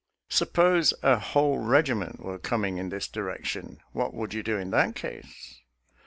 Suppose a whole regiment were coming in this direction, what would you do in that case?